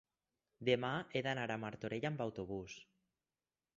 demà he d'anar a Martorell amb autobús.